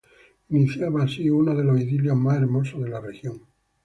Iniciaba así uno de los idilios más hermosos de la región.